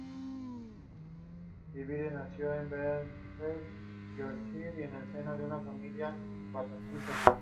El interior es amplio, diáfano y luminoso.